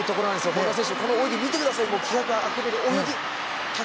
本多選手の泳ぎを見てください。